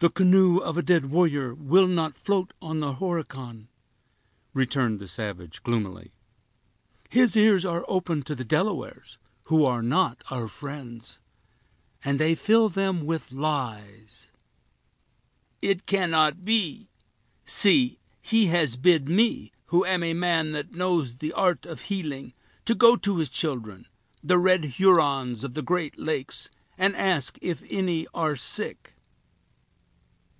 "The canoe of a dead warrior will not float on the Horican," returned the savage, gloomily. "His ears are open to the Delawares, who are not our friends, and they fill them with lies." "It cannot be. See; he has bid me, who am a man that knows the art of healing, to go to his children, the red Hurons of the great lakes, and ask if any are sick!"